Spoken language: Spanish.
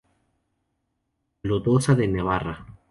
Lodosa de Navarra.